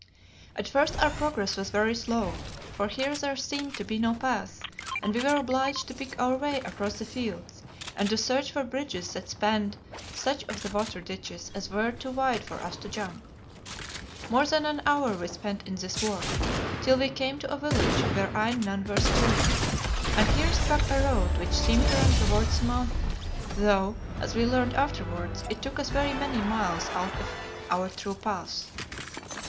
At first our progress was very slow, for here there seemed to be no path, and we were obliged to pick our way across the fields, and to search for bridges that spanned such of the water ditches as were too wide for us to jump. More than an hour was spent in this work, till we came to a village wherein none were stirring, and here struck a road which seemed to run towards the mountain, though, as we learned afterwards, it took us very many miles out of our true path.